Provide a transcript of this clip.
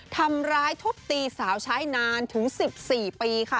ธรรมร้ายทบตีสาวชายนานถึง๑๔ปีค่ะ